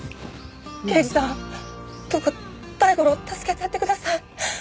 刑事さんどうか大五郎を助けてやってください。